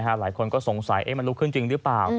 หลายคนก็สงสัยมันลุกขึ้นจริงหรือเปล่า